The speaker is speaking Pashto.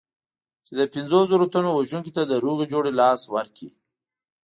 چې د پنځو زرو تنو وژونکي ته د روغې جوړې لاس ورکړي.